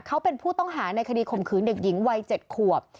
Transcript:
เขาเป็นผู้ต้องหาในคดีข่มขืนเด็กหญิงวัย๗ขวบ